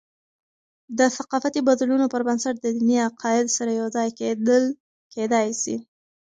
د ثقافتي بدلونونو پربنسټ، د دیني عقاید سره یوځای کیدل کېدي سي.